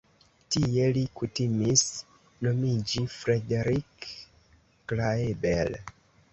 Tie li kutimis nomiĝi Frederick Klaeber.